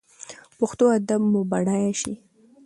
پښتو ادب مو بډایه شي.